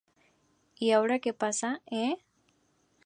Y ahora que pasa, eh?